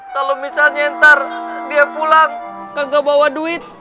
kalau misalnya ntar dia pulang kagak bawa duit